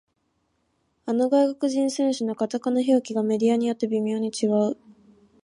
あの外国人選手のカタカナ表記がメディアによって微妙に違う